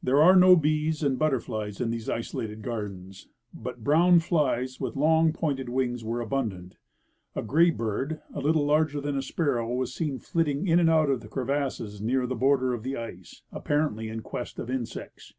There are no bees and but terflies in these isolated gardens, but brown flies with long pointed wings were abundant. A gray bird, a little larger than a sparrow, was seen flitting in and out of crevasses near the border of the ice, apparently in quest of insects.